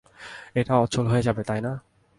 এটা অচল হয়ে যাবে, তাই না?